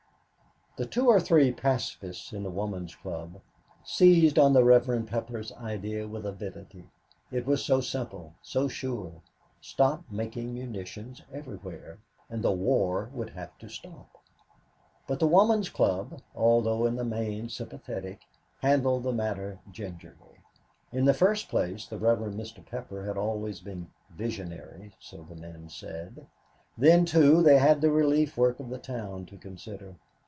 The two or three pacifists in the Woman's Club seized on the Reverend Pepper's idea with avidity. It was so simple, so sure stop making munitions everywhere, and war would have to stop. But the Woman's Club, although in the main sympathetic, handled the matter gingerly. In the first place, the Rev. Mr. Pepper had always been "visionary," so the men said. Then, too, they had the relief work of the town to consider.